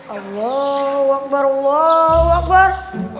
allahu akbar allahu akbar